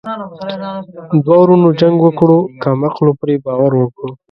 دوه ورونو جنګ وکړو کم عقلو پري باور وکړو.